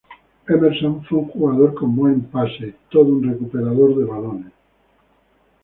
Emerson fue un jugador con buen pase y todo un recuperador de balones.